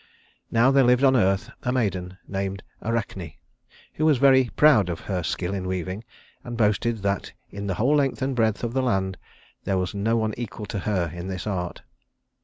Now there lived on the earth a maiden named Arachne, who was very proud of her skill in weaving, and boasted that in the whole length and breadth of the land there was no one to equal her in this art.